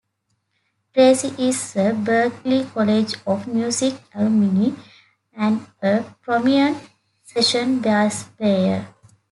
Tracy is a Berklee College of Music alumni and a prominent session bass player.